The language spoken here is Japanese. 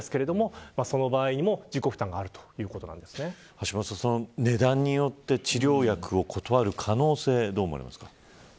橋下さん、値段によって治療薬を断る可能性をどう思いますか。